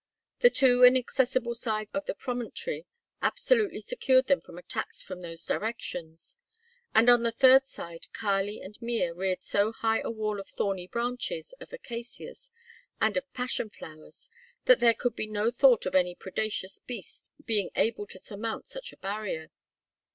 The two inaccessible sides of the promontory absolutely secured them from attacks from those directions, and on the third side Kali and Mea reared so high a wall of thorny branches of acacias and of passion flowers that there could be no thought of any predacious beasts being able to surmount such a barrier.